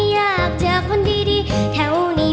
อยากเจอคนดีแถวนี้